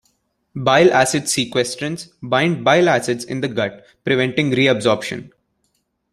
Bile acid sequestrants bind bile acids in the gut, preventing reabsorption.